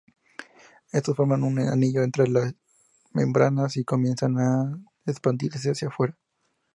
Estos forman un anillo entre las membranas, y comienzan a expandirse hacia afuera.